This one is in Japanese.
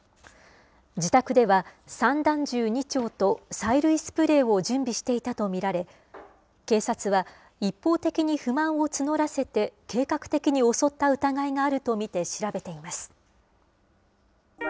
自宅では、散弾銃２丁と催涙スプレーを準備していたと見られ、警察は一方的に不満を募らせて計画的に襲った疑いがあると見て調べています。